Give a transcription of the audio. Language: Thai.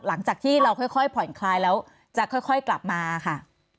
หลังจากที่เราค่อยผ่อนคลายแล้วจะค่อยกลับมาค่ะ